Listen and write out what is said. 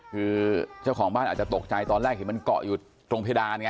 คือเจ้าของบ้านอาจจะตกใจตอนแรกเห็นมันเกาะอยู่ตรงเพดานไง